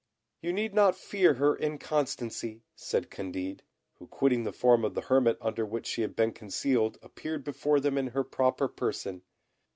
"You need not fear her inconstancy," said Candid, who, quitting the form of the hermit under which she had been concealed, appeared before them in her proper person.